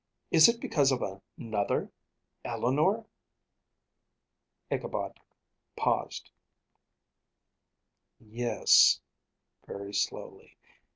"Is it because of another Eleanor?" Ichabod paused. "Yes," very slowly.